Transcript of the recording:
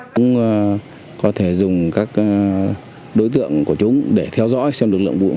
chúng có thể dùng các đối tượng của chúng để theo dõi xem lực lượng vụ